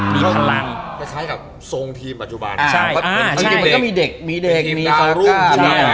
มีพลังก็ใช้แบบทรงทีมปัจจุบันใช่อ่าใช่มันก็มีเด็กมีเด็กมีฟังรุ่งใช่